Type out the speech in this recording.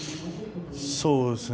そうですね。